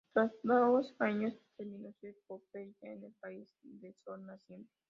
Tras dos años terminó su epopeya en el país del sol naciente.